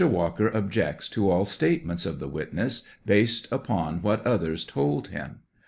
Walker objects to all statements of the witness based upon what others told him.